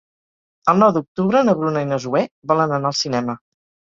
El nou d'octubre na Bruna i na Zoè volen anar al cinema.